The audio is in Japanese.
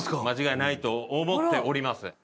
間違いないと思っております。